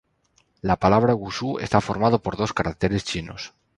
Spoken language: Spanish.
La palabra wushu está formada por dos Caracteres chinos.